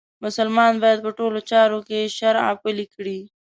مسلمان باید په ټولو چارو کې شرعه پلې کړي.